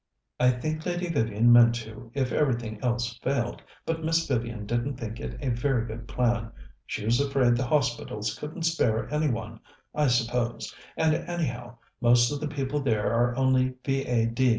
"I think Lady Vivian meant to, if everything else failed, but Miss Vivian didn't think it a very good plan; she was afraid the hospitals couldn't spare any one, I suppose, and, anyhow, most of the people there are only V.A.